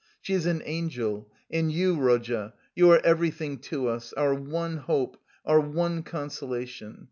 She is an angel and you, Rodya, you are everything to us our one hope, our one consolation.